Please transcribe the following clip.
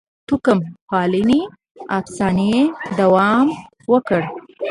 توکم پالنې افسانې دوام وکړ.